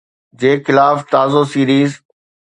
جي خلاف تازو سيريز